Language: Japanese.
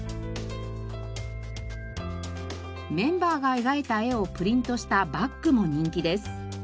メンバーが描いた絵をプリントしたバッグも人気です。